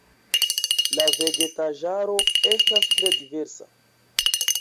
La vegetaĵaro estas tre diversa.